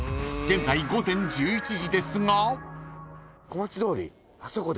［現在午前１１時ですが］